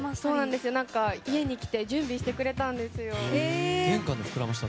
家に来て準備してくれたんですよ。